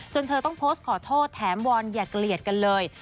เธอต้องโพสต์ขอโทษแถมวอนอย่าเกลียดกันเลย